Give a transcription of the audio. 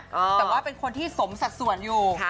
แต่ว่าเป็นคนที่สมสัดส่วนอยู่